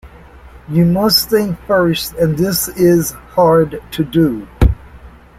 You must think first and this is hard to do.